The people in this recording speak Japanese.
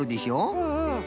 うんうん。